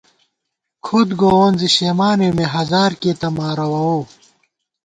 کھُدگووون زی شېمانېؤ مےہزار کېئ تہ مےمارَووؤ